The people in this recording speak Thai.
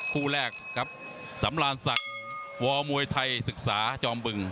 คู่แรกครับสำราญศักดิ์วมวยไทยศึกษาจอมบึง